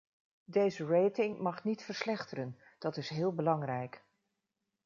Deze rating mag niet verslechteren; dat is heel belangrijk.